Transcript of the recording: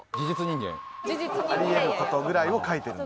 あり得る事ぐらいを書いてるんだ。